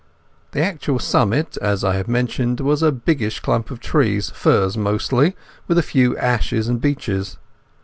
The actual summit, as I have mentioned, was a biggish clump of trees—firs mostly, with a few ashes and beeches.